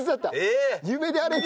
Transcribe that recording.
夢であれと。